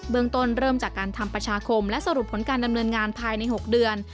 ต้นเริ่มจากการทำประชาคมและสรุปผลการดำเนินงานภายใน๖เดือน